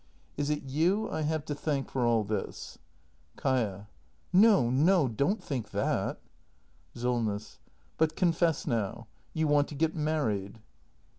] Is it you I have to thank for all this ? Kaia. No, no, don't think that! Solness. But confess now — you want to get married!